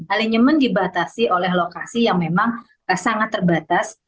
alijemen dibatasi oleh lokasi yang memang sangat terbatas